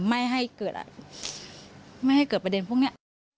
ไม่ให้เกิดประเด็นพวกนี้